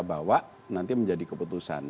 bawa nanti menjadi keputusan